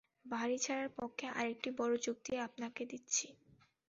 বাড়ি ছাড়ার পক্ষে আরেকটি বড় যুক্তি আপনাকে দিচ্ছি।